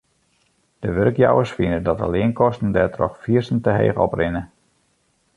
De wurkjouwers fine dat de leankosten dêrtroch fierstente heech oprinne.